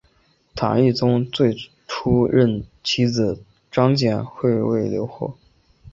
唐懿宗最初任其子张简会为留后。